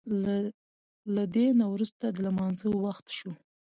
له دې نه وروسته د لمانځه وخت شو.